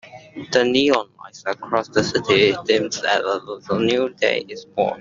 The neon lights across the city dimmed as a new day is born.